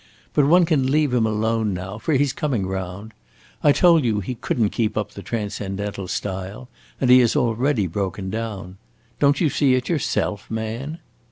But one can leave him alone now, for he 's coming round. I told you he could n't keep up the transcendental style, and he has already broken down. Don't you see it yourself, man?"